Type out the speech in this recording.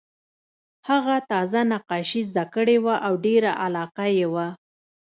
هغه تازه نقاشي زده کړې وه او ډېره علاقه یې وه